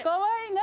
何？